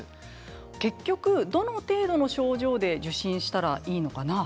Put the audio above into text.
結局、どの程度の症状で受診したらいいのかな